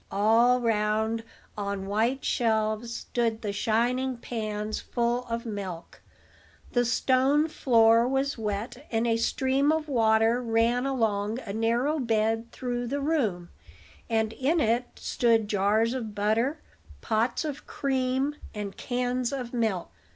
All round on white shelves stood the shining pans, full of milk; the stone floor was wet; and a stream of water ran along a narrow bed through the room, and in it stood jars of butter, pots of cream, and cans of milk.